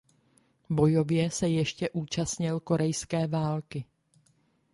Bojově se ještě účastnil korejské války.